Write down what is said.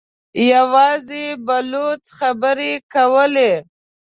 يواځې بلوڅ خبرې کولې.